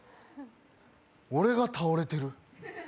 俺が倒れてる。